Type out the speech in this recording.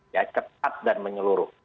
ya cepat dan menyeluruh